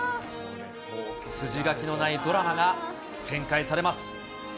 筋書きのないドラマが展開されます。